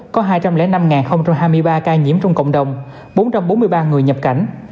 có hai trăm linh năm hai mươi ba ca nhiễm trong cộng đồng bốn trăm bốn mươi ba người nhập cảnh